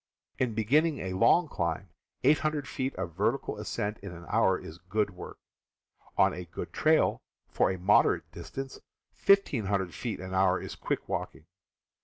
In beginning a long climb, 800 ft. of vertical ascent in an hour is good work. On a good trail, for a moderate distance, 1,500 ft. an hour is quick walking.